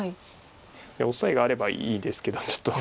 オサエがあればいいですけどちょっと。